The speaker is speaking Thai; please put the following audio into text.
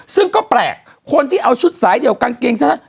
ซึ่งก็แปลกคนที่เอาชุดสายเดี่ยวกางเกงซะนั้น